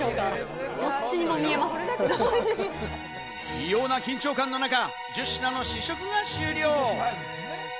異様な緊張感の中、１０品の試食が終了。